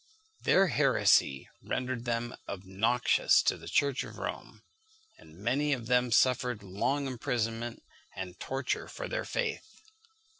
Their heresy rendered them obnoxious to the Church of Rome; and many of them suffered long imprisonment and torture for their faith.